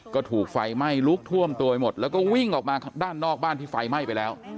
ก็ถูกไฟไหม้ลุกท่วมตัวไปหมดแล้วก็วิ่งออกมาด้านนอกบ้านที่ไฟไหม้ไปแล้ว